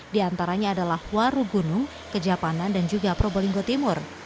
diantaranya adalah waru gunung kejapanan dan juga probolinggo timur